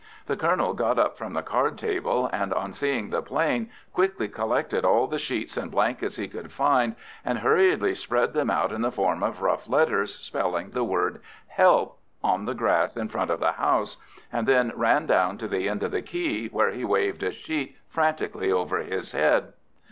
The colonel got up from the card table, and on seeing the 'plane quickly collected all the sheets and blankets he could find, and hurriedly spread them out in the form of rough letters, spelling the word "HELP" on the grass in front of the house, and then ran down to the end of the quay, where he waved a sheet frantically over his head.